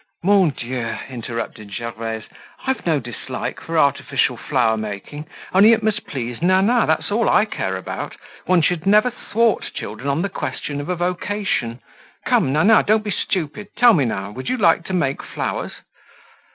"Mon Dieu!" interrupted Gervaise, "I've no dislike for artificial flower making. Only it must please Nana, that's all I care about; one should never thwart children on the question of a vocation. Come Nana, don't be stupid; tell me now, would you like to make flowers?"